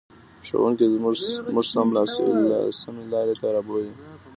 ښوونکی موږ سمې لارې ته رابولي.